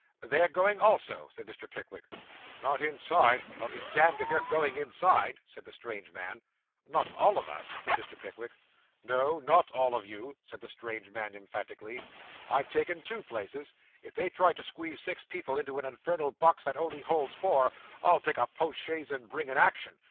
'They are going also,' said Mr. Pickwick. 'Not inside I'll be damned if you're going inside,' said the strange man. 'Not all of us,' said Mr. Pickwick. 'No, not all of you,' said the strange man emphatically. 'I've taken two places. If they try to squeeze six people into an infernal box that only holds four, I'll take a post chaise and bring an action.